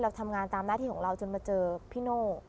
ทำงานตามหน้าที่ของเราจนมาเจอพี่โน่